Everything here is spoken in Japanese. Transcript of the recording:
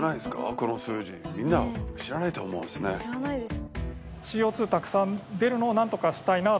この数字みんな知らないと思いますね